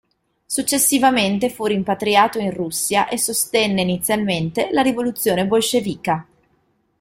Successivamente fu rimpatriato in Russia e sostenne inizialmente la rivoluzione bolscevica.